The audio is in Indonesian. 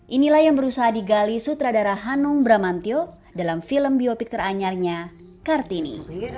inilah yang berusaha digali sutradara hanung bramantio dalam film biopik teranyarnya kartini